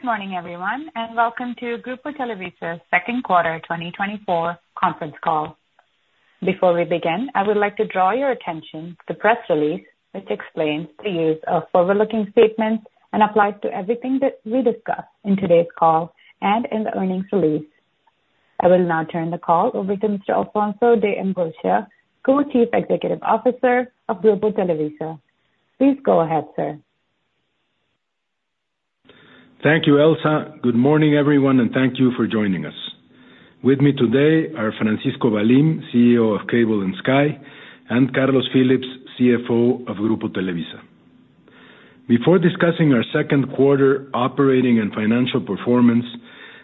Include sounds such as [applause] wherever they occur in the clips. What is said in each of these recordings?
Good morning, everyone, and welcome to Grupo Televisa's second quarter 2024 conference call. Before we begin, I would like to draw your attention to the press release, which explains the use of forward-looking statements and applies to everything that we discuss in today's call and in the earnings release. I will now turn the call over to Mr. Alfonso de Angoitia, Co-Chief Executive Officer of Grupo Televisa. Please go ahead, sir. Thank you, Elsa. Good morning, everyone, and thank you for joining us. With me today are Francisco Valim, CEO of Cable & Sky, and Carlos Phillips, CFO of Grupo Televisa. Before discussing our second quarter operating and financial performance,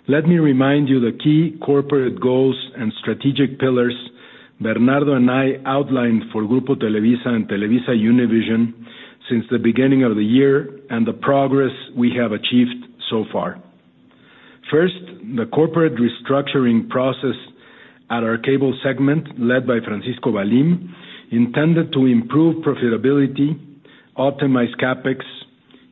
let me remind you the key corporate goals and strategic pillars Bernardo and I outlined for Grupo Televisa and TelevisaUnivision since the beginning of the year and the progress we have achieved so far. First, the corporate restructuring process at our cable segment, led by Francisco Valim, intended to improve profitability, optimize CapEx,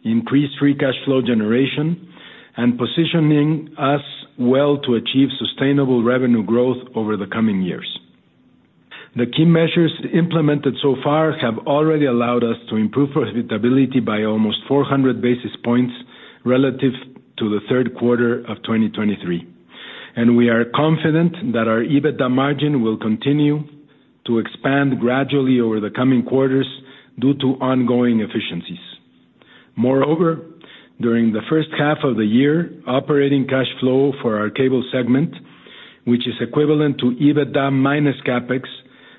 increase free cash flow generation, and position us well to achieve sustainable revenue growth over the coming years. The key measures implemented so far have already allowed us to improve profitability by almost 400 basis points relative to the third quarter of 2023, and we are confident that our EBITDA margin will continue to expand gradually over the coming quarters due to ongoing efficiencies. Moreover, during the first half of the year, operating cash flow for our cable segment, which is equivalent to EBITDA minus CapEx,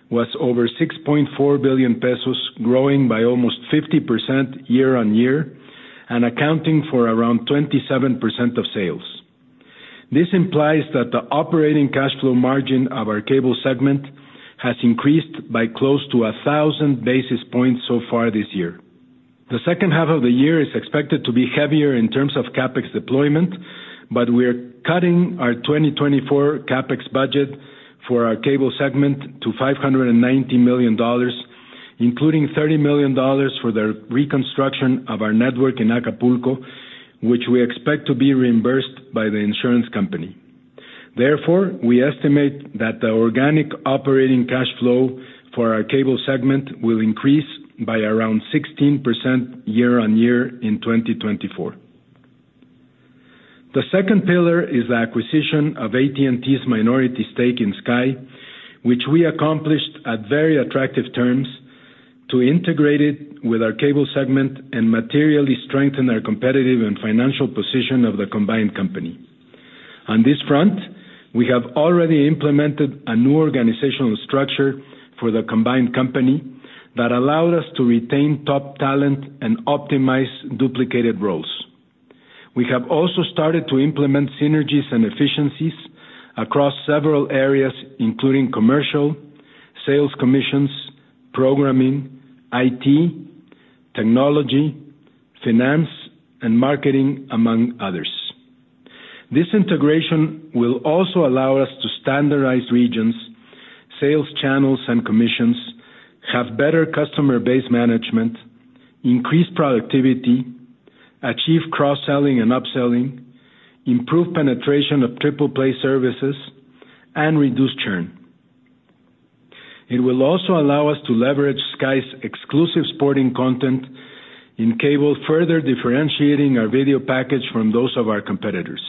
was over 6.4 billion pesos, growing by almost 50% year-over-year and accounting for around 27% of sales. This implies that the operating cash flow margin of our cable segment has increased by close to 1,000 basis points so far this year. The second half of the year is expected to be heavier in terms of CapEx deployment, but we are cutting our 2024 CapEx budget for our cable segment to $590 million, including $30 million for the reconstruction of our network in Acapulco, which we expect to be reimbursed by the insurance company. Therefore, we estimate that the organic operating cash flow for our cable segment will increase by around 16% year-on-year in 2024. The second pillar is the acquisition of AT&T's minority stake in Sky, which we accomplished at very attractive terms to integrate it with our cable segment and materially strengthen our competitive and financial position of the combined company. On this front, we have already implemented a new organizational structure for the combined company that allowed us to retain top talent and optimize duplicated roles. We have also started to implement synergies and efficiencies across several areas, including commercial, sales commissions, programming, IT, technology, finance, and marketing, among others. This integration will also allow us to standardize regions, sales channels, and commissions, have better customer base management, increase productivity, achieve cross-selling and upselling, improve penetration of triple-play services, and reduce churn. It will also allow us to leverage Sky's exclusive sporting content in cable, further differentiating our video package from those of our competitors.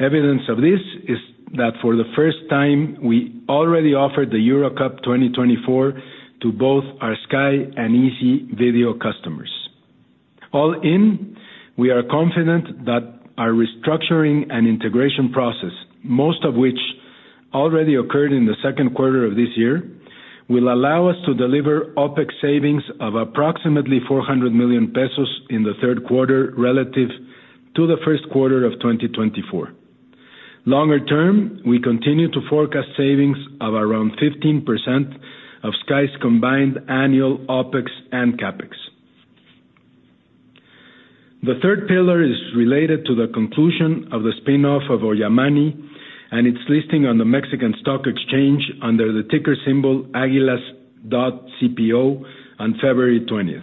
Evidence of this is that for the first time, we already offered the Euro Cup 2024 to both our Sky and izzi video customers. All in, we are confident that our restructuring and integration process, most of which already occurred in the second quarter of this year, will allow us to deliver OpEx savings of approximately 400 million pesos in the third quarter relative to the first quarter of 2024. Longer term, we continue to forecast savings of around 15% of Sky's combined annual OpEx and CapEx. The third pillar is related to the conclusion of the spinoff of Ollamani and its listing on the Mexican Stock Exchange under the ticker symbol AGUILAS.CPO on February 20th.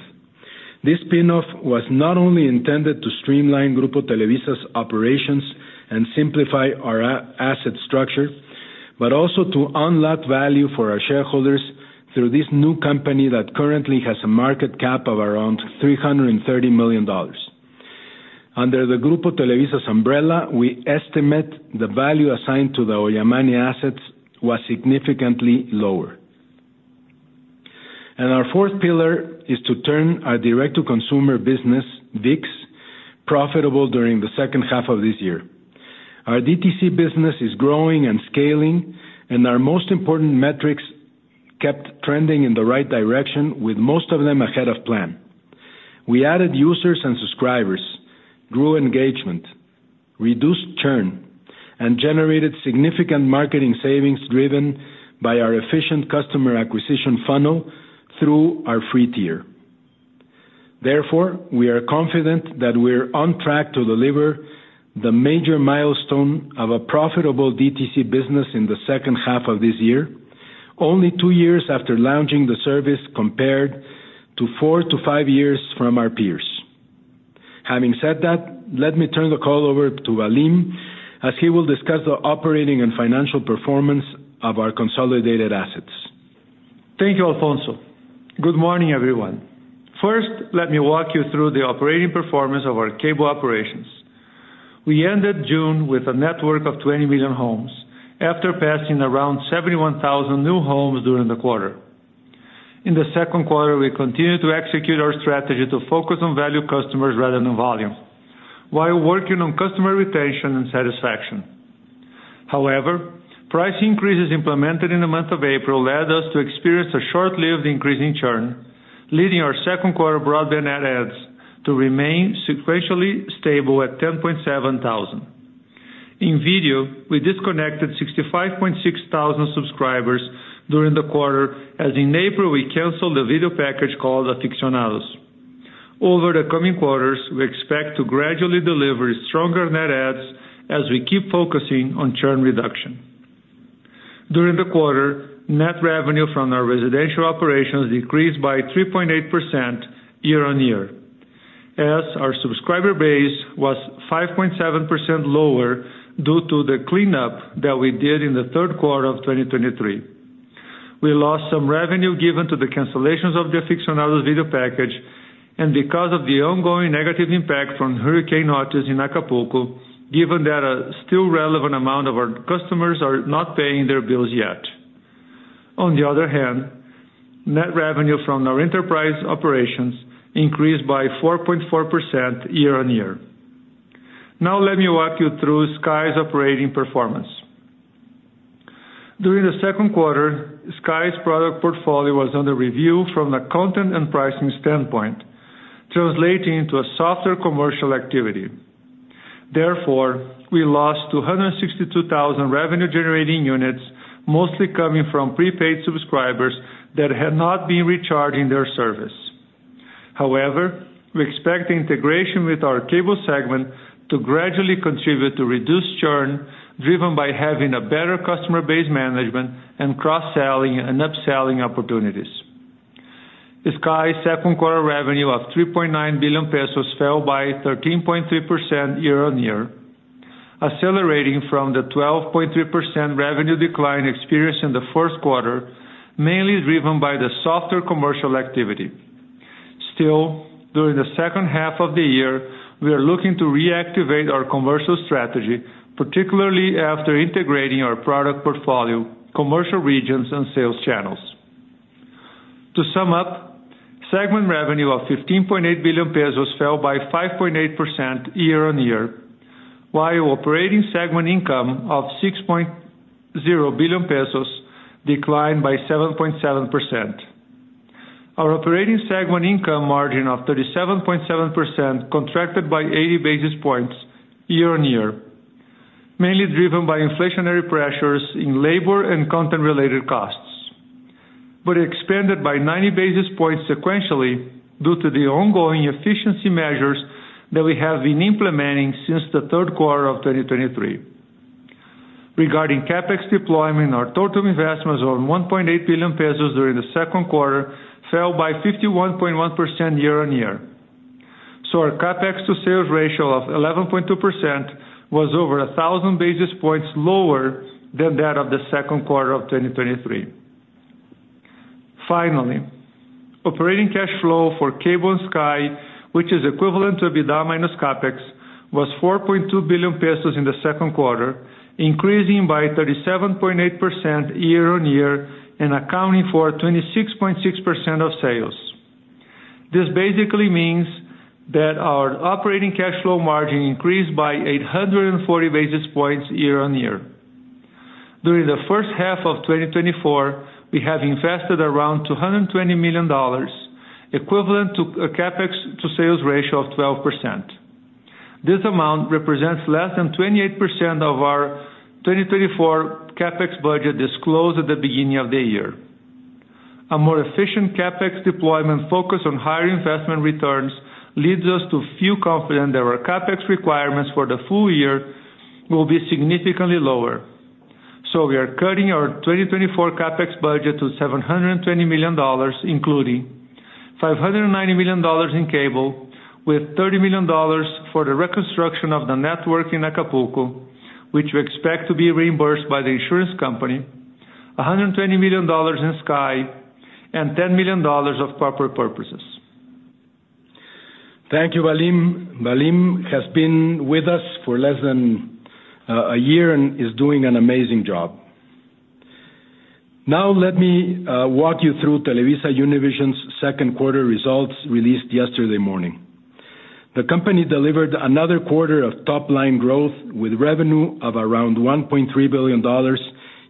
This spinoff was not only intended to streamline Grupo Televisa's operations and simplify our asset structure, but also to unlock value for our shareholders through this new company that currently has a market cap of around $330 million. Under the Grupo Televisa's umbrella, we estimate the value assigned to the Ollamani assets was significantly lower. Our fourth pillar is to turn our direct-to-consumer business, ViX, profitable during the second half of this year. Our DTC business is growing and scaling, and our most important metrics kept trending in the right direction, with most of them ahead of plan. We added users and subscribers, grew engagement, reduced churn, and generated significant marketing savings driven by our efficient customer acquisition funnel through our free tier. Therefore, we are confident that we are on track to deliver the major milestone of a profitable DTC business in the second half of this year, only two years after launching the service compared to four to five years from our peers. Having said that, let me turn the call over to Valim, as he will discuss the operating and financial performance of our consolidated assets. Thank you, Alfonso. Good morning, everyone. First, let me walk you through the operating performance of our cable operations. We ended June with a network of 20 million homes after passing around 71,000 new homes during the quarter. In the second quarter, we continued to execute our strategy to focus on value customers rather than volume, while working on customer retention and satisfaction. However, price increases implemented in the month of April led us to experience a short-lived increase in churn, leading our second quarter broadband net-adds to remain sequentially stable at 10.7 thousand. In video, we disconnected 65.6 thousand subscribers during the quarter, as in April we canceled a video package called Afizzionados. Over the coming quarters, we expect to gradually deliver stronger net-adds as we keep focusing on churn reduction. During the quarter, net revenue from our residential operations decreased by 3.8% year-over-year, as our subscriber base was 5.7% lower due to the cleanup that we did in the third quarter of 2023. We lost some revenue given to the cancellations of the Afizzionados video package and because of the ongoing negative impact from Hurricane Otis in Acapulco, given that a still relevant amount of our customers are not paying their bills yet. On the other hand, net revenue from our enterprise operations increased by 4.4% year-over-year. Now, let me walk you through Sky's operating performance. During the second quarter, Sky's product portfolio was under review from the content and pricing standpoint, translating into a softer commercial activity. Therefore, we lost 262,000 revenue-generating units, mostly coming from prepaid subscribers that had not been recharging their service. However, we expect the integration with our cable segment to gradually contribute to reduced churn driven by having a better customer base management and cross-selling and upselling opportunities. Sky's second quarter revenue of 3.9 billion pesos fell by 13.3% year-over-year, accelerating from the 12.3% revenue decline experienced in the fourth quarter, mainly driven by the softer commercial activity. Still, during the second half of the year, we are looking to reactivate our commercial strategy, particularly after integrating our product portfolio, commercial regions, and sales channels. To sum up, segment revenue of 15.8 billion pesos fell by 5.8% year-over-year, while operating segment income of 6.0 billion pesos declined by 7.7%. Our operating segment income margin of 37.7% contracted by 80 basis points year-on-year, mainly driven by inflationary pressures in labor and content-related costs, but expanded by 90 basis points sequentially due to the ongoing efficiency measures that we have been implementing since the third quarter of 2023. Regarding CapEx deployment, our total investment was around 1.8 billion pesos during the second quarter, fell by 51.1% year-on-year. So, our CapEx to sales ratio of 11.2% was over 1,000 basis points lower than that of the second quarter of 2023. Finally, operating cash flow for Cable & Sky, which is equivalent to EBITDA minus CapEx, was 4.2 billion pesos in the second quarter, increasing by 37.8% year-on-year and accounting for 26.6% of sales. This basically means that our operating cash flow margin increased by 840 basis points year-on-year. During the first half of 2024, we have invested around $220 million, equivalent to a CapEx to sales ratio of 12%. This amount represents less than 28% of our 2024 CapEx budget disclosed at the beginning of the year. A more efficient CapEx deployment focused on higher investment returns leads us to feel confident that our CapEx requirements for the full year will be significantly lower. So, we are cutting our 2024 CapEx budget to $720 million, including $590 million in cable, with $30 million for the reconstruction of the network in Acapulco, which we expect to be reimbursed by the insurance company, $120 million in Sky, and $10 million of corporate purposes. Thank you, Valim. Valim has been with us for less than a year and is doing an amazing job. Now, let me walk you through TelevisaUnivision's second quarter results released yesterday morning. The company delivered another quarter of top-line growth with revenue of around $1.3 billion,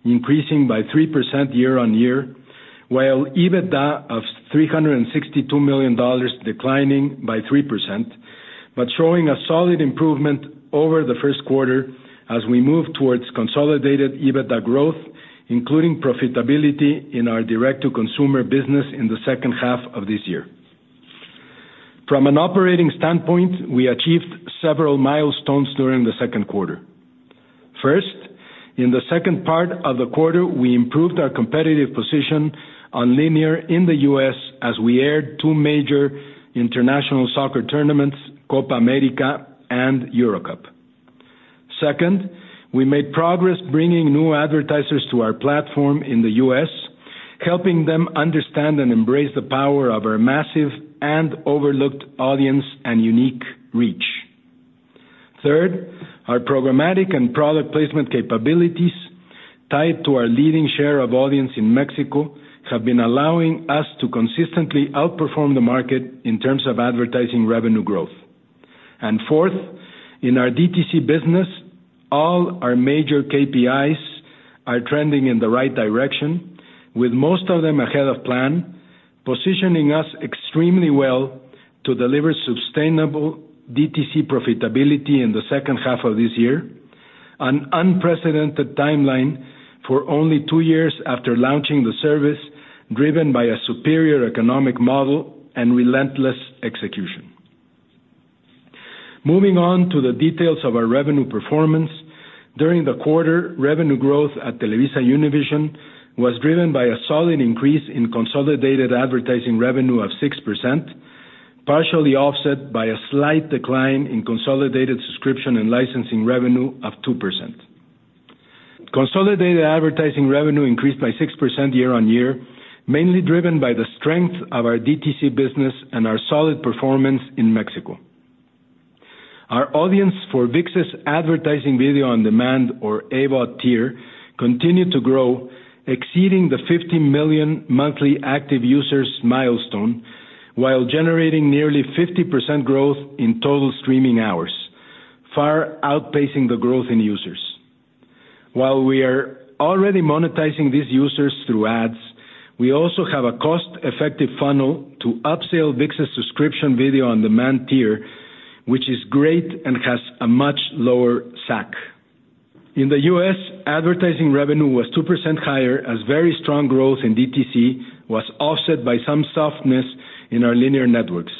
increasing by 3% year-on-year, while EBITDA of $362 million declining by 3%, but showing a solid improvement over the first quarter as we move towards consolidated EBITDA growth, including profitability in our direct-to-consumer business in the second half of this year. From an operating standpoint, we achieved several milestones during the second quarter. First, in the second part of the quarter, we improved our competitive position on linear in the U.S. as we aired two major international soccer tournaments, Copa América and Euro Cup. Second, we made progress bringing new advertisers to our platform in the U.S., helping them understand and embrace the power of our massive and overlooked audience and unique reach. Third, our programmatic and product placement capabilities tied to our leading share of audience in Mexico have been allowing us to consistently outperform the market in terms of advertising revenue growth. And fourth, in our DTC business, all our major KPIs are trending in the right direction, with most of them ahead of plan, positioning us extremely well to deliver sustainable DTC profitability in the second half of this year, an unprecedented timeline for only two years after launching the service driven by a superior economic model and relentless execution. Moving on to the details of our revenue performance, during the quarter, revenue growth at TelevisaUnivision was driven by a solid increase in consolidated advertising revenue of 6%, partially offset by a slight decline in consolidated subscription and licensing revenue of 2%. Consolidated advertising revenue increased by 6% year-on-year, mainly driven by the strength of our DTC business and our solid performance in Mexico. Our audience for ViX's advertising video on demand, or AVOD tier, continued to grow, exceeding the 50 million monthly active users milestone, while generating nearly 50% growth in total streaming hours, far outpacing the growth in users. While we are already monetizing these users through ads, we also have a cost-effective funnel to upsell ViX's subscription video on demand tier, which is great and has a much lower SAC. In the U.S., advertising revenue was 2% higher as very strong growth in DTC was offset by some softness in our linear networks.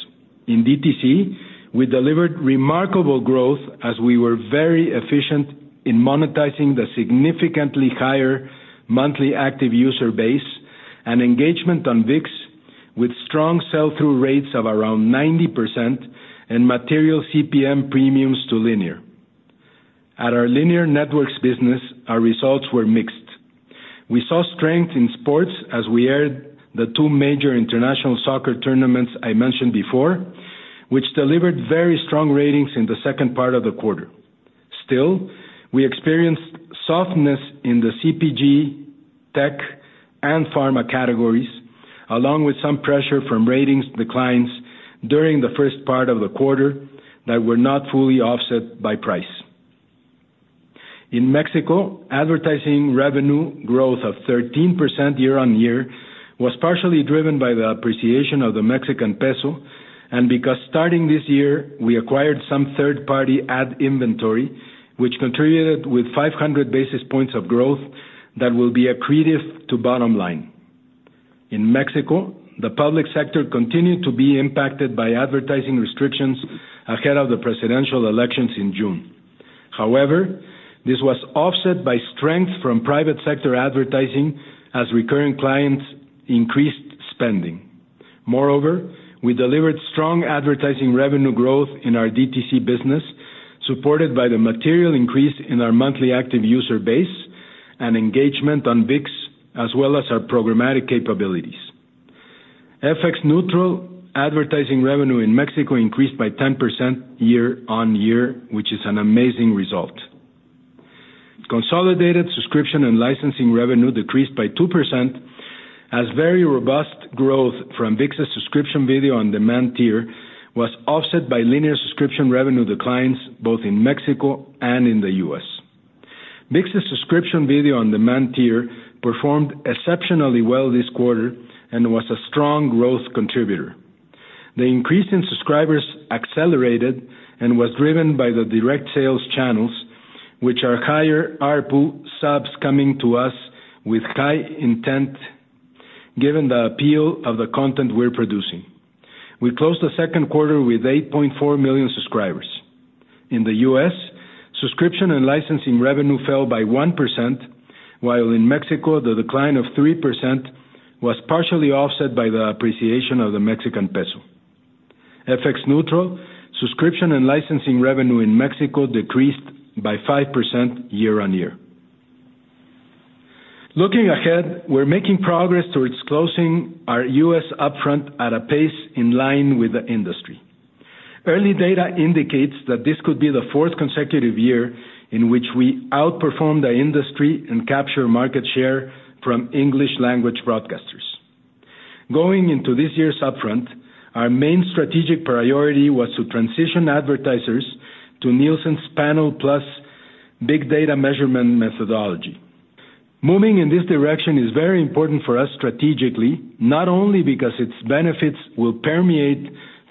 In DTC, we delivered remarkable growth as we were very efficient in monetizing the significantly higher monthly active user base and engagement on ViX, with strong sell-through rates of around 90% and material CPM premiums to linear. At our linear networks business, our results were mixed. We saw strength in sports as we aired the two major international soccer tournaments I mentioned before, which delivered very strong ratings in the second part of the quarter. Still, we experienced softness in the CPG, tech, and pharma categories, along with some pressure from ratings declines during the first part of the quarter that were not fully offset by price. In Mexico, advertising revenue growth of 13% year-on-year was partially driven by the appreciation of the Mexican peso and because starting this year we acquired some third-party ad inventory, which contributed with 500 basis points of growth that will be accretive to bottom line. In Mexico, the public sector continued to be impacted by advertising restrictions ahead of the presidential elections in June. However, this was offset by strength from private sector advertising as recurring clients increased spending. Moreover, we delivered strong advertising revenue growth in our DTC business, supported by the material increase in our monthly active user base and engagement on ViX, as well as our programmatic capabilities. FX-neutral advertising revenue in Mexico increased by 10% year-on-year, which is an amazing result. Consolidated subscription and licensing revenue decreased by 2% as very robust growth from ViX's subscription video on demand tier was offset by linear subscription revenue declines both in Mexico and in the U.S. ViX's subscription video on demand tier performed exceptionally well this quarter and was a strong growth contributor. The increase in subscribers accelerated and was driven by the direct sales channels, which are higher ARPU subs coming to us with high intent, given the appeal of the content we're producing. We closed the second quarter with 8.4 million subscribers. In the U.S., subscription and licensing revenue fell by 1%, while in Mexico, the decline of 3% was partially offset by the appreciation of the Mexican peso. FX-neutral subscription and licensing revenue in Mexico decreased by 5% year-on-year. Looking ahead, we're making progress towards closing our U.S. upfront at a pace in line with the industry. Early data indicates that this could be the fourth consecutive year in which we outperform the industry and capture market share from English-language broadcasters. Going into this year's upfront, our main strategic priority was to transition advertisers to Nielsen's Panel Plus Big Data measurement methodology. Moving in this direction is very important for us strategically, not only because its benefits will permeate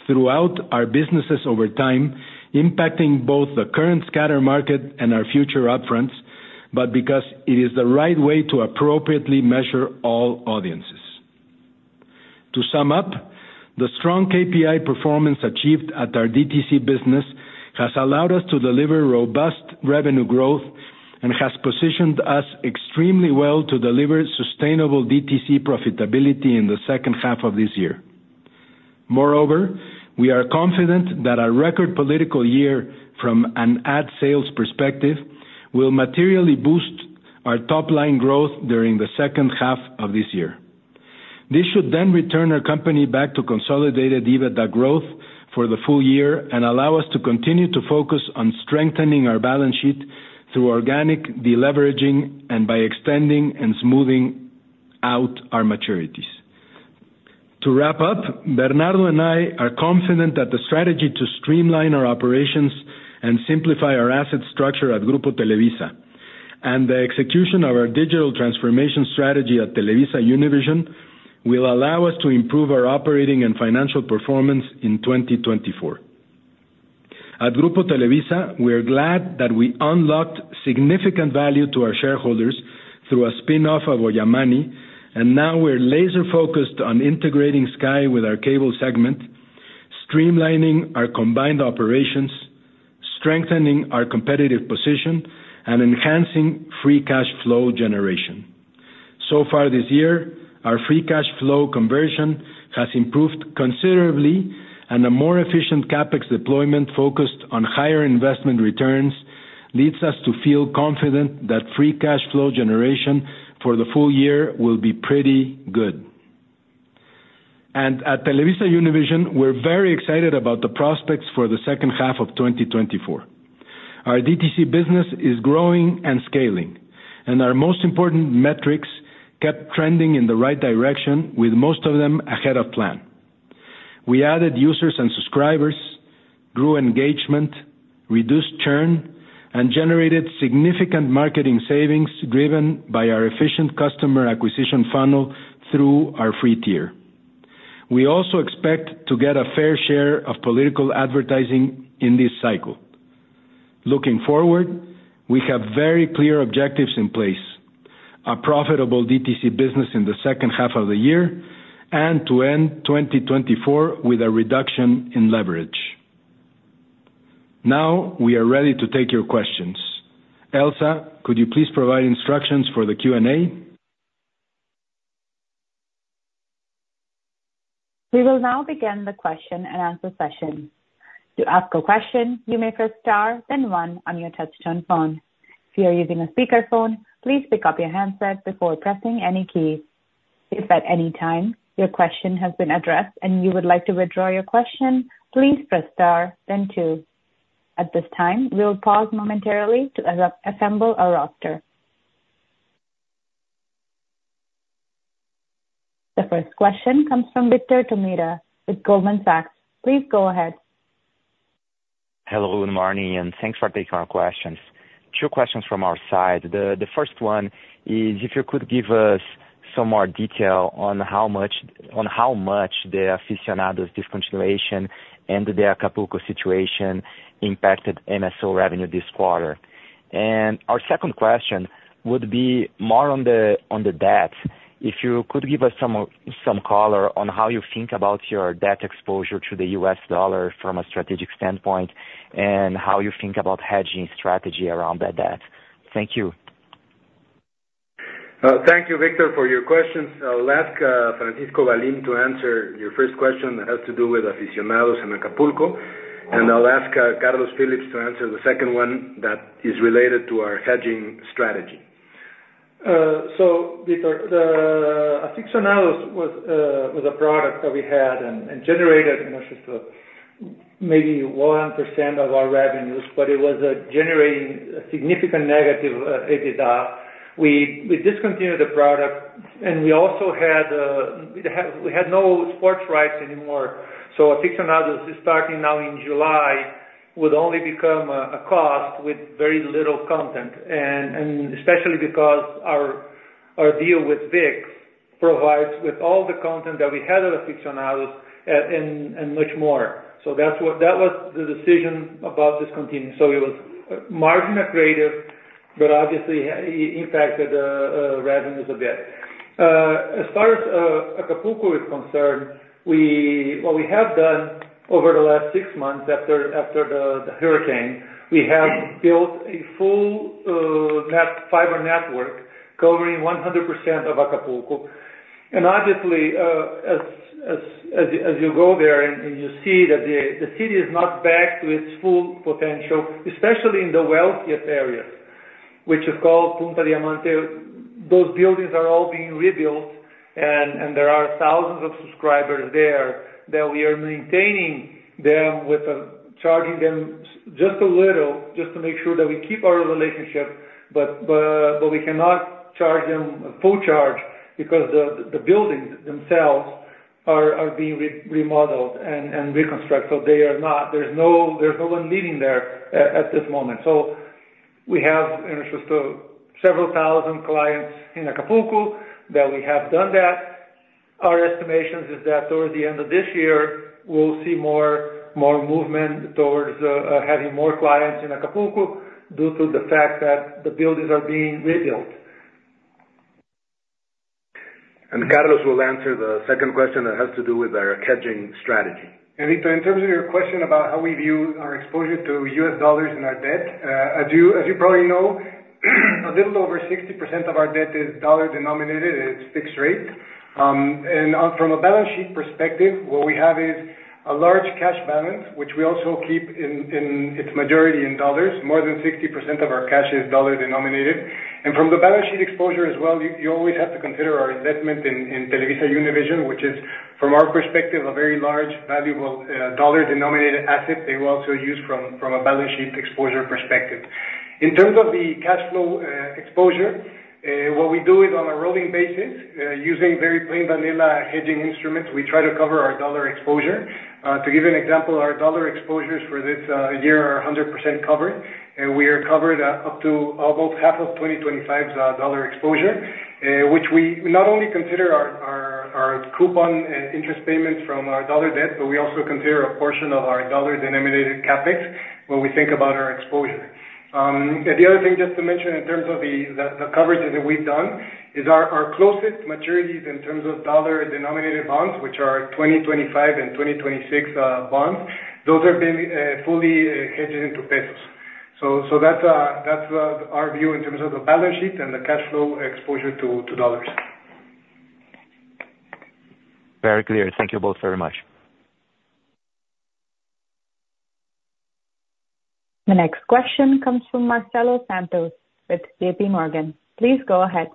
throughout our businesses over time, impacting both the current scatter market and our future upfronts, but because it is the right way to appropriately measure all audiences. To sum up, the strong KPI performance achieved at our DTC business has allowed us to deliver robust revenue growth and has positioned us extremely well to deliver sustainable DTC profitability in the second half of this year. Moreover, we are confident that our record political year from an ad sales perspective will materially boost our top-line growth during the second half of this year. This should then return our company back to consolidated EBITDA growth for the full year and allow us to continue to focus on strengthening our balance sheet through organic deleveraging and by extending and smoothing out our maturities. To wrap up, Bernardo and I are confident that the strategy to streamline our operations and simplify our asset structure at Grupo Televisa and the execution of our digital transformation strategy at TelevisaUnivision will allow us to improve our operating and financial performance in 2024. At Grupo Televisa, we are glad that we unlocked significant value to our shareholders through a spin-off of Ollamani, and now we're laser-focused on integrating Sky with our cable segment, streamlining our combined operations, strengthening our competitive position, and enhancing free cash flow generation. So far this year, our free cash flow conversion has improved considerably, and a more efficient CapEx deployment focused on higher investment returns leads us to feel confident that free cash flow generation for the full year will be pretty good. At TelevisaUnivision, we're very excited about the prospects for the second half of 2024. Our DTC business is growing and scaling, and our most important metrics kept trending in the right direction, with most of them ahead of plan. We added users and subscribers, grew engagement, reduced churn, and generated significant marketing savings driven by our efficient customer acquisition funnel through our free tier. We also expect to get a fair share of political advertising in this cycle. Looking forward, we have very clear objectives in place: a profitable DTC business in the second half of the year and to end 2024 with a reduction in leverage. Now we are ready to take your questions. Elsa, could you please provide instructions for the Q&A? We will now begin the question-and-answer session. To ask a question, you may press star, then one on your touch-tone phone. If you are using a speakerphone, please pick up your handset before pressing any key. If at any time your question has been addressed and you would like to withdraw your question, please press star, then two. At this time, we'll pause momentarily to assemble our roster. The first question comes from Vitor Tomita with Goldman Sachs. Please go ahead. Hello, good morning, and thanks for taking our questions. Two questions from our side. The first one is if you could give us some more detail on how much the Afizzionados discontinuation and the Acapulco situation impacted MSO revenue this quarter. And our second question would be more on the debt. If you could give us some color on how you think about your debt exposure to the U.S. dollar from a strategic standpoint and how you think about hedging strategy around that debt. Thank you. Thank you, Vitor, for your questions. I'll ask Francisco Valim to answer your first question that has to do with Afizzionados and Acapulco, and I'll ask Carlos Phillips to answer the second one that is related to our hedging strategy. So, Vitor, the Afizzionados was a product that we had and generated maybe 1% of our revenues, but it was generating a significant negative EBITDA. We discontinued the product, and we also had no sports rights anymore. So Afizzionados, starting now in July, would only become a cost with very little content, and especially because our deal with ViX provides with all the content that we had on Afizzionados and much more. So that was the decision about discontinuing. So it was margin accretive, but obviously it impacted revenues a bit. As far as Acapulco is concerned, what we have done over the last six months after the hurricane, we have built a full fiber network covering 100% of Acapulco. Obviously, as you go there and you see that the city is not back to its full potential, especially in the wealthiest areas, which is called Punta Diamante, those buildings are all being rebuilt, and there are thousands of subscribers there that we are maintaining them with charging them just a little just to make sure that we keep our relationship, but we cannot charge them a full charge because the buildings themselves are being remodeled and reconstructed. So there's no one living there at this moment. So we have several thousand clients in Acapulco that we have done that. Our estimation is that towards the end of this year, we'll see more movement towards having more clients in Acapulco due to the fact that the buildings are being rebuilt. Carlos will answer the second question that has to do with our hedging strategy. Vitor, in terms of your question about how we view our exposure to U.S. dollars in our debt, as you probably know, a little over 60% of our debt is dollar-denominated at its fixed rate. From a balance sheet perspective, what we have is a large cash balance, which we also keep in its majority in dollars. More than 60% of our cash is dollar-denominated. From the balance sheet exposure as well, you always have to consider our investment in TelevisaUnivision, which is, from our perspective, a very large, valuable dollar-denominated asset they will also use from a balance sheet exposure perspective. In terms of the cash flow exposure, what we do is on a rolling basis, using very plain vanilla hedging instruments, we try to cover our dollar exposure. To give you an example, our dollar exposures for this year are 100% covered. We are covered up to almost half of 2025's dollar exposure, which we not only consider our coupon interest payments from our dollar debt, but we also consider a portion of our dollar-denominated CapEx when we think about our exposure. The other thing just to mention in terms of the coverage that we've done is our closest maturities in terms of dollar-denominated bonds, which are 2025 and 2026 bonds, those have been fully hedged into pesos. So that's our view in terms of the balance sheet and the cash flow exposure to dollars. Very clear. Thank you both very much. The next question comes from Marcelo Santos with JPMorgan. Please go ahead.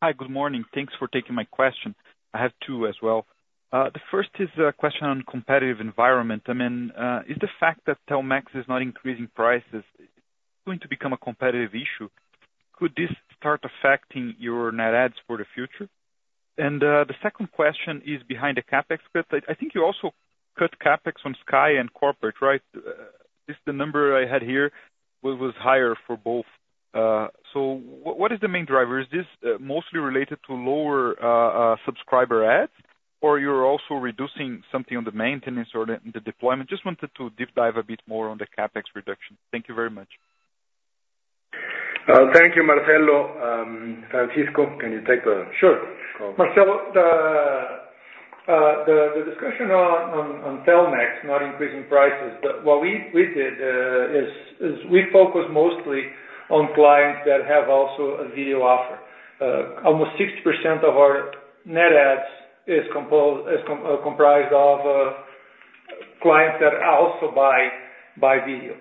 Hi, good morning. Thanks for taking my question. I have two as well. The first is a question on competitive environment. I mean, is the fact that Telmex is not increasing prices going to become a competitive issue? Could this start affecting your net adds for the future? And the second question is behind the CapEx cut. I think you also cut CapEx on Sky and corporate, right? The number I had here was higher for both. So what is the main driver? Is this mostly related to lower subscriber adds, or you're also reducing something on the maintenance or the deployment? Just wanted to deep dive a bit more on the CapEx reduction. Thank you very much. Thank you, Marcelo. Francisco, can you take the? Sure. Go on. Marcel, the discussion on Telmex not increasing prices, what we did is we focus mostly on clients that have also a video offer. Almost 60% of our net adds is comprised of clients that also buy video.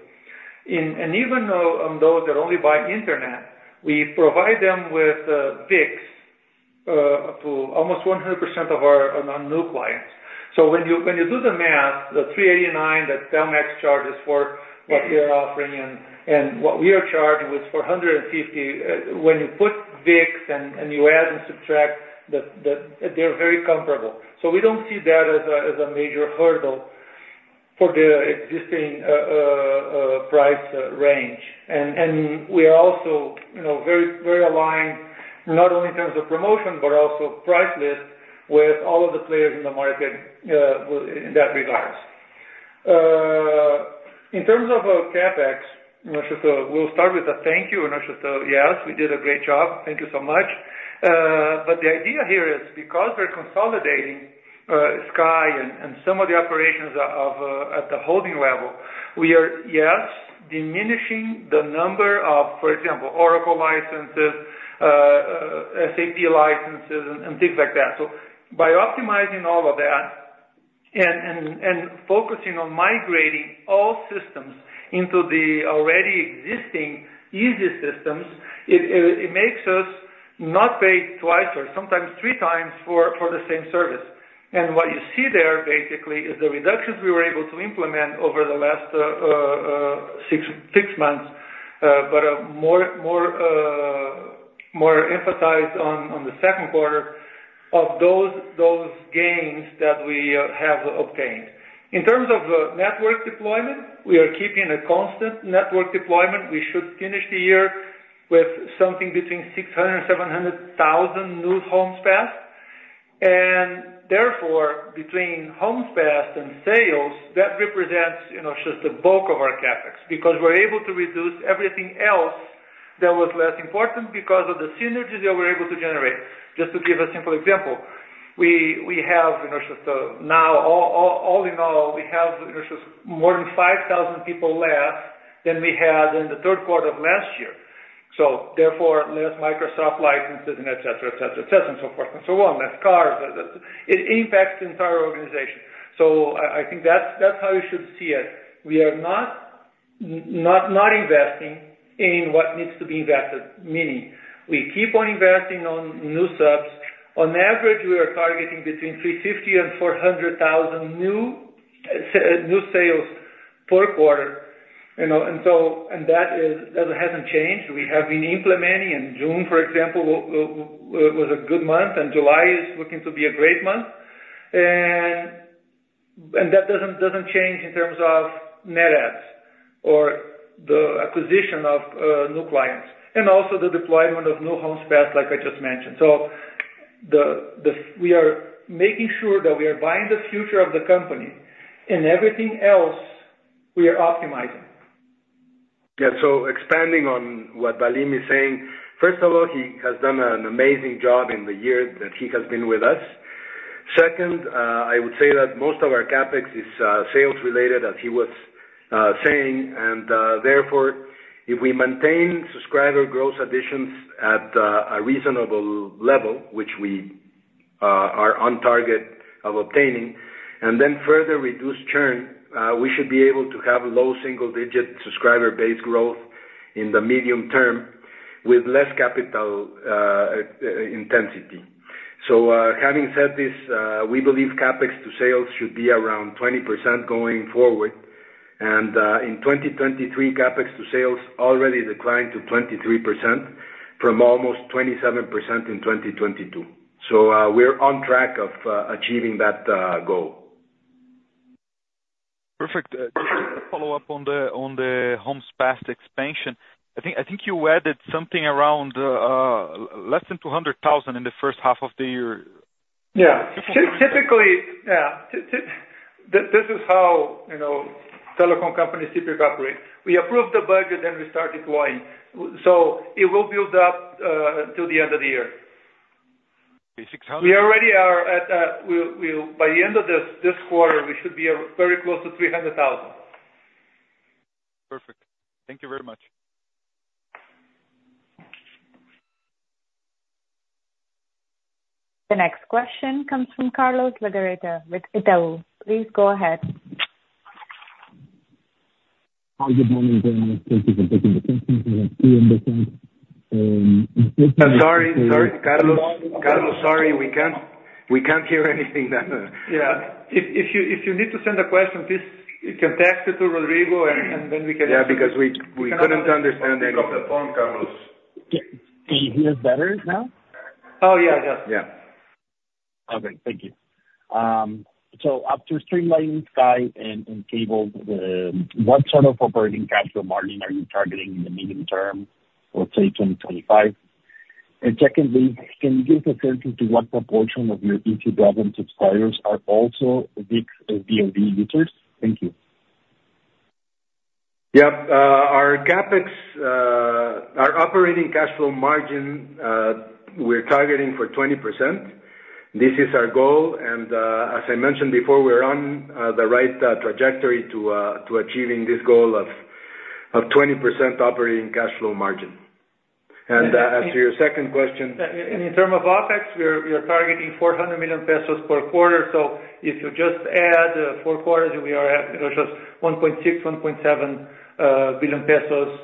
And even though they're only buying internet, we provide them with ViX to almost 100% of our new clients. So when you do the math, the 389 that Telmex charges for what they're offering and what we are charging was 450, when you put ViX and you add and subtract, they're very comparable. So we don't see that as a major hurdle for the existing price range. And we are also very aligned, not only in terms of promotion, but also price list with all of the players in the market in that regard. In terms of CapEx, we'll start with a thank you. Yes, we did a great job. Thank you so much. But the idea here is because we're consolidating Sky and some of the operations at the holding level, we are, yes, diminishing the number of, for example, Oracle licenses, SAP licenses, and things like that. So by optimizing all of that and focusing on migrating all systems into the already existing izzi systems, it makes us not pay twice or sometimes three times for the same service. And what you see there basically is the reductions we were able to implement over the last six months, but more emphasized on the second quarter of those gains that we have obtained. In terms of network deployment, we are keeping a constant network deployment. We should finish the year with something between 600,000 and 700,000 new homes passed. Therefore, between homes passed and sales, that represents just the bulk of our CapEx because we're able to reduce everything else that was less important because of the synergies that we're able to generate. Just to give a simple example, we have just now, all in all, we have more than 5,000 people less than we had in the third quarter of last year. Therefore, less Microsoft licenses, and etc., etc., etc., and so forth and so on, less cars. It impacts the entire organization. I think that's how you should see it. We are not investing in what needs to be invested, meaning we keep on investing on new subs. On average, we are targeting between 350,000 and 400,000 new sales per quarter. That hasn't changed. We have been implementing in June, for example, was a good month, and July is looking to be a great month. That doesn't change in terms of net adds or the acquisition of new clients and also the deployment of new homes passed, like I just mentioned. We are making sure that we are buying the future of the company, and everything else we are optimizing. Yeah. So expanding on what Valim is saying, first of all, he has done an amazing job in the year that he has been with us. Second, I would say that most of our CapEx is sales-related, as he was saying. And therefore, if we maintain subscriber growth additions at a reasonable level, which we are on target of obtaining, and then further reduce churn, we should be able to have low single-digit subscriber-based growth in the medium term with less capital intensity. So having said this, we believe CapEx to sales should be around 20% going forward. And in 2023, CapEx to sales already declined to 23% from almost 27% in 2022. So we're on track of achieving that goal. Perfect. Just to follow up on the homes passed expansion, I think you added something around less than 200,000 in the first half of the year? Yeah. Typically, yeah, this is how telecom companies typically operate. We approve the budget, then we start deploying. So it will build up to the end of the year. We already are at by the end of this quarter, we should be very close to 300,000. Perfect. Thank you very much. The next question comes from Carlos de Legarreta with Itau. Please go ahead. [audio distortion] Sorry, Carlos. Carlos, sorry, we can't hear anything. Yeah. If you need to send a question, please you can text it to Rodrigo, and then we can explain. Yeah, because we couldn't understand anything. Can you hear us better now? Oh, yeah, I got you. Yeah. Okay. Thank you. After streamlining Sky and cable, what sort of operating capital margin are you targeting in the medium term, let's say 2025? Secondly, can you give a sense into what proportion of your izzi TV and subscribers are also ViX and DTC users? Thank you. Yeah. Our operating cash flow margin, we're targeting for 20%. This is our goal. I mentioned before, we're on the right trajectory to achieving this goal of 20% operating cash flow margin. As to your second question. In terms of OpEx, we are targeting 400 million pesos per quarter. So if you just add 4 quarters, we are at just 1.6 billion-1.7 billion pesos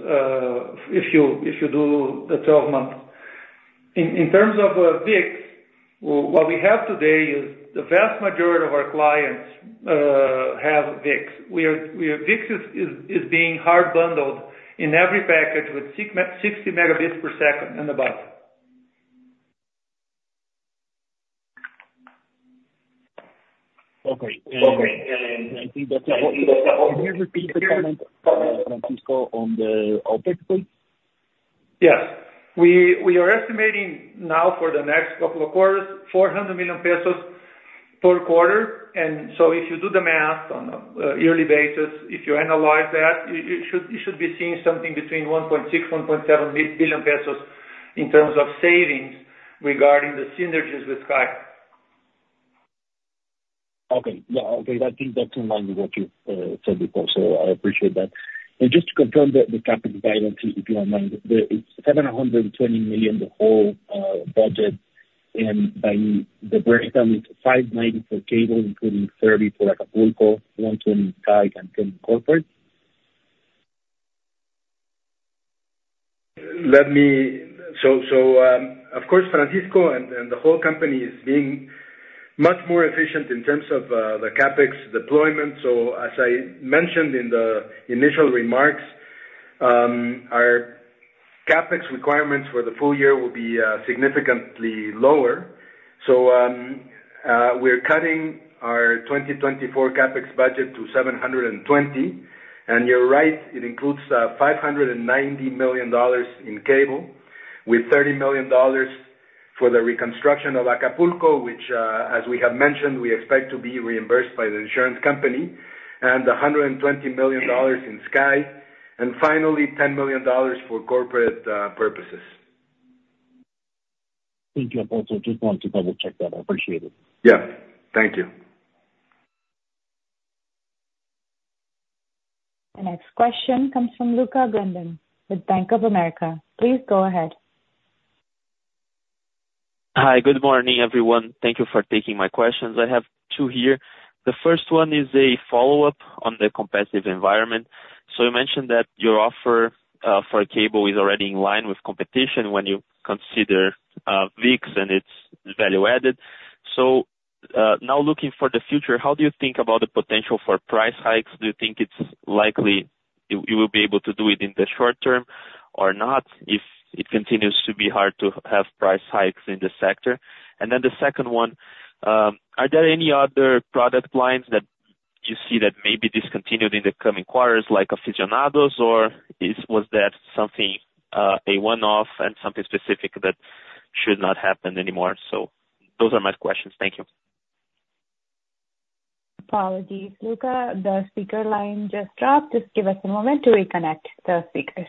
if you do the 12 months. In terms of ViX, what we have today is the vast majority of our clients have ViX. ViX is being hard bundled in every package with 60 Mbps and above. Okay. And can you repeat the comment, Francisco, on the OpEx savings? Yes. We are estimating now for the next couple of quarters, 400 million pesos per quarter. So if you do the math on a yearly basis, if you analyze that, you should be seeing something between 1.6 billion and 1.7 billion pesos in terms of savings regarding the synergies with Sky. Okay. Yeah. Okay. I think that's in line with what you said before, so I appreciate that. And just to confirm the CapEx balance sheet, if you don't mind, it's $720 million the whole budget, and the breakdown is $590 million for cable, including $30 million for Acapulco, $120 million for Sky and $10 million corporate. So of course, Francisco and the whole company is being much more efficient in terms of the CapEx deployment. So as I mentioned in the initial remarks, our CapEx requirements for the full year will be significantly lower. So we're cutting our 2024 CapEx budget to $720 million. And you're right, it includes $590 million in cable with $30 million for the reconstruction of Acapulco, which, as we have mentioned, we expect to be reimbursed by the insurance company, and $120 million in Sky, and finally, $10 million for corporate purposes. Thank you. I just want to double-check that. I appreciate it. Yeah. Thank you. The next question comes from Luca Grinda with Bank of America. Please go ahead. Hi, good morning, everyone. Thank you for taking my questions. I have two here. The first one is a follow-up on the competitive environment. So you mentioned that your offer for cable is already in line with competition when you consider ViX and its value added. So now looking for the future, how do you think about the potential for price hikes? Do you think it's likely you will be able to do it in the short term or not if it continues to be hard to have price hikes in the sector? And then the second one, are there any other product lines that you see that may be discontinued in the coming quarters, like Afizzionados, or was that something a one-off and something specific that should not happen anymore? So those are my questions. Thank you. Apologies, Luca. The speaker line just dropped. Just give us a moment to reconnect the speakers.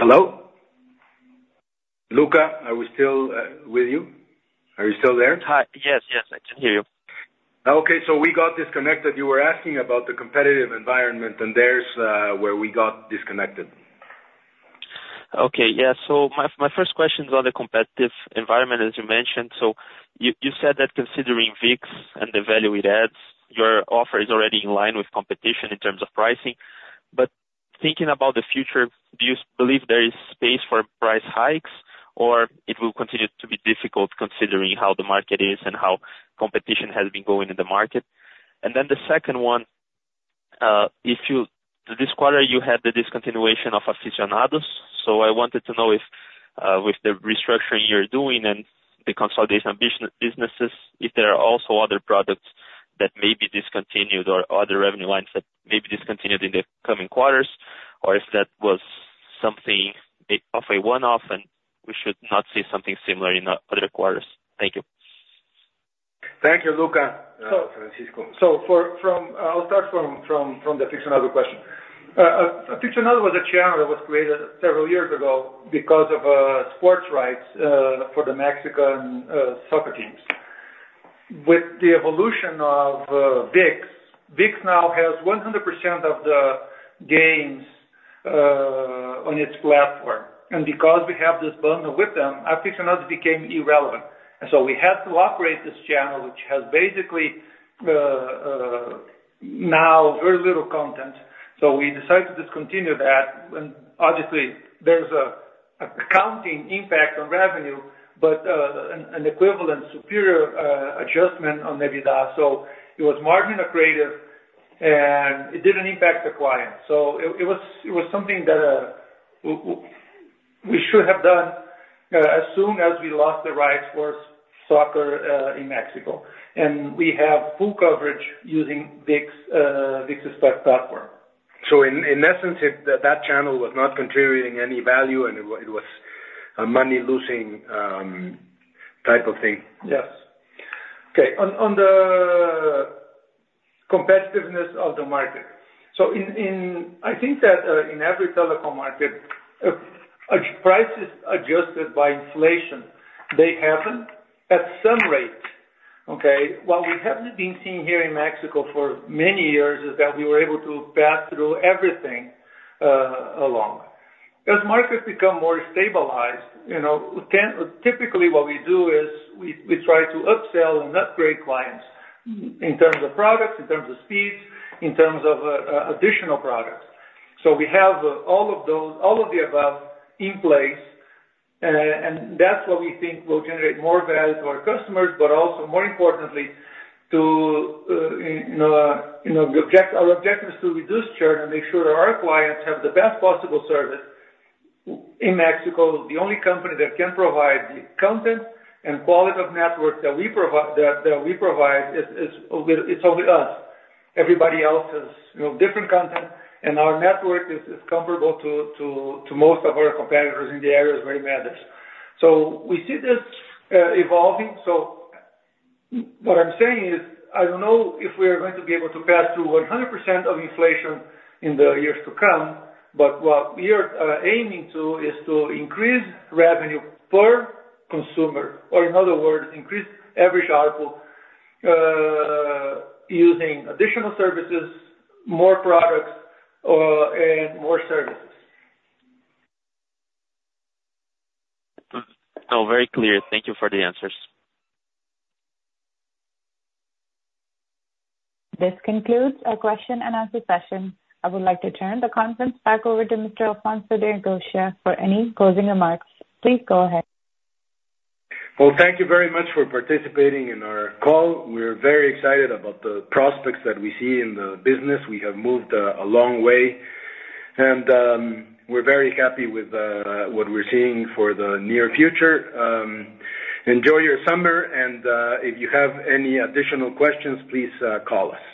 Hello? Luca, are we still with you? Are you still there? Hi. Yes, yes. I can hear you. Okay. So we got disconnected. You were asking about the competitive environment, and there's where we got disconnected. Okay. Yeah. So my first question is on the competitive environment, as you mentioned. So you said that considering ViX and the value it adds, your offer is already in line with competition in terms of pricing. But thinking about the future, do you believe there is space for price hikes, or it will continue to be difficult considering how the market is and how competition has been going in the market? And then the second one, this quarter, you had the discontinuation of Afizzionados. So I wanted to know if with the restructuring you're doing and the consolidation of businesses, if there are also other products that may be discontinued or other revenue lines that may be discontinued in the coming quarters, or if that was something of a one-off and we should not see something similar in other quarters. Thank you. Thank you, Luca, Francisco. So I'll start from the Afizzionados question. Afizzionados was a channel that was created several years ago because of sports rights for the Mexican soccer teams. With the evolution of ViX, ViX now has 100% of the games on its platform. And because we have this bundle with them, Afizzionados became irrelevant. And so we had to operate this channel, which has basically now very little content. So we decided to discontinue that. And obviously, there's an accounting impact on revenue, but an equivalent superior adjustment on EBITDA. So it was margin accretive, and it didn't impact the client. So it was something that we should have done as soon as we lost the rights for soccer in Mexico. And we have full coverage using ViX's platform. So in essence, that channel was not contributing any value, and it was a money-losing type of thing. Yes. Okay. On the competitiveness of the market, so I think that in every telecom market, prices adjusted by inflation, they happen at some rate. Okay? What we haven't been seeing here in Mexico for many years is that we were able to pass through everything along. As markets become more stabilized, typically what we do is we try to upsell and upgrade clients in terms of products, in terms of speeds, in terms of additional products. So we have all of the above in place, and that's what we think will generate more value to our customers, but also, more importantly, our objective is to reduce churn and make sure our clients have the best possible service. In Mexico, the only company that can provide the content and quality of network that we provide is only us. Everybody else has different content, and our network is comparable to most of our competitors in the areas where it matters. So we see this evolving. So what I'm saying is I don't know if we are going to be able to pass through 100% of inflation in the years to come, but what we are aiming to is to increase revenue per consumer, or in other words, increase average output using additional services, more products, and more services. Very clear. Thank you for the answers. This concludes our question-and-answer session. I would like to turn the conference back over to Mr. Alfonso de Angoitia for any closing remarks. Please go ahead. Well, thank you very much for participating in our call. We're very excited about the prospects that we see in the business. We have moved a long way, and we're very happy with what we're seeing for the near future. Enjoy your summer, and if you have any additional questions, please call us.